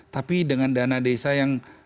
tapi dengan dana desa yang sangat besar